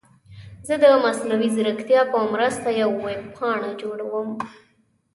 زه د مصنوعي ځیرکتیا په مرسته یوه ویب پاڼه جوړوم.